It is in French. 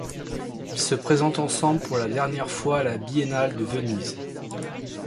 Ils se présentent ensemble pour la dernière fois à la Biennale de Venise.